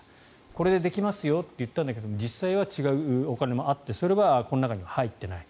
これでできますよと言ったんだけど実際は違うお金もあってそれはこの中には入っていない。